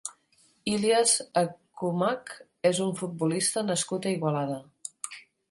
Ilias Akhomach és un futbolista nascut a Igualada.